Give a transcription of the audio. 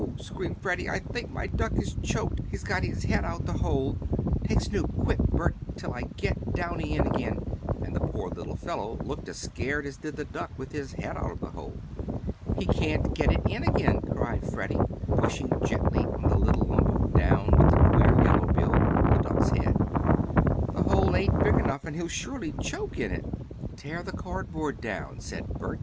screamed Freddie, "I think my duck is choked. He's got his head out the hole. Take Snoop, quick, Bert, till I get Downy in again," and the poor little fellow looked as scared as did the duck with his "head out of the hole." "He can't get it in again," cried Freddie, pushing gently on the little lump of down with the queer yellow bill the duck's head. "The hole ain't big enough and he'll surely choke in it." "Tear the cardboard down," said Bert.